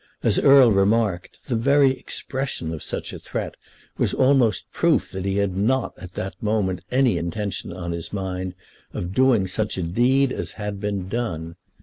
As Erle remarked, the very expression of such a threat was almost proof that he had not at that moment any intention on his mind of doing such a deed as had been done.